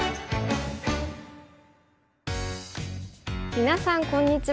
みなさんこんにちは。